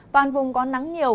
toàn vùng có nắng nhiều